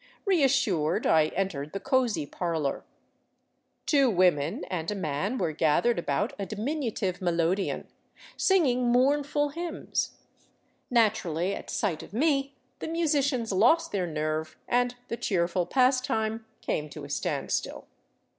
'* Reassured, I entered the cozy parlor. Two women and a man were gathered about a diminutive melodeon, singing mournful hymns. Naturally, at sight of me the musicians lost their nerve, and the cheerful pastime came to a standstill.